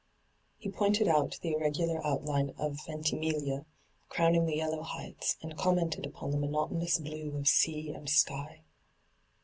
He pointed out the irregular outline of Yentimiglia crowning the yellow heights, and commented upon the monotonous blue of sea and sky.